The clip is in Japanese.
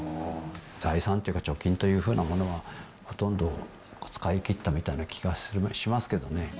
財産というか、貯金というふうなものは、ほとんど使い切ったみたいな気がしますけどね。